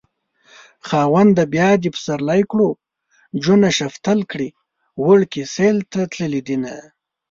خاونده بيا دې پسرلی کړو جونه شفتل کړي وړکي سيل ته تللي دينه